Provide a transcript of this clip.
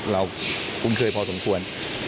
เราก็คุ้นเคิดพอสมควร